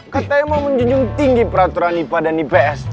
katanya mau menjunjung tinggi peraturan ipa dan ips